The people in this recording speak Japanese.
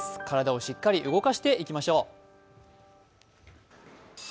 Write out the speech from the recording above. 体をしっかり動かしていきましょう。